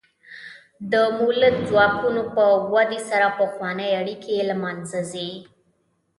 د مؤلده ځواکونو په ودې سره پخوانۍ اړیکې له منځه ځي.